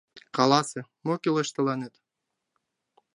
Каласе: мо кӱлеш тыланет?